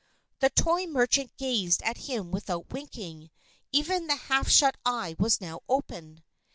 The toy merchant gazed at him without winking. Even the half shut eye was now open.